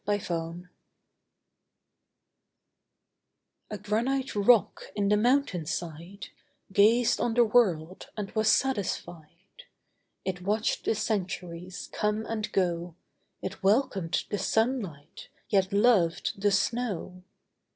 THE STATUE A granite rock in the mountain side Gazed on the world and was satisfied. It watched the centuries come and go. It welcomed the sunlight, yet loved the snow.